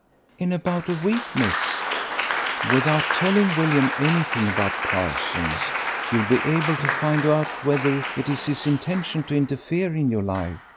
"In about a week, miss." "Without telling William anything about Parsons, you'll be able to find out whether it is his intention to interfere in your life.